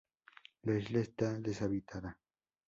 La isla está deshabitada.